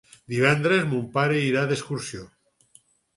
Divendres mon pare irà d'excursió.